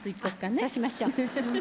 そうしましょう。